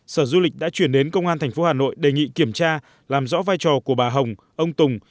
sở du lịch đã chuyển đến công an tp hà nội đề nghị kiểm tra làm rõ vai trò của bà hồng ông tùng